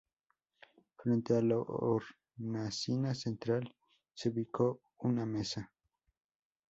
Frente a la hornacina central se ubicó una mesa.